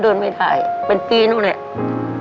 เดินไม่ได้เป็นปีนู้นเนี่ย